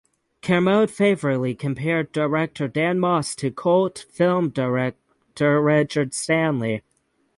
Kermode favourably compared director Dan Moss to cult film director Richard Stanley.